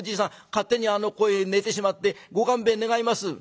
勝手にここへ寝てしまってご勘弁願います」。